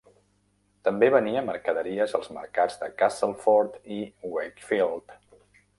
També venia mercaderies als mercats de Castleford i Wakefield.